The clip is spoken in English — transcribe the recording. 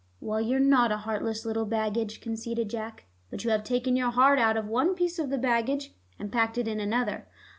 "Well, you're not a heartless little baggage," conceded Jack, "but you have taken your heart out of one piece of the baggage, and packed it in another."